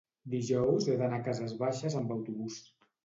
Dijous he d'anar a Cases Baixes amb autobús.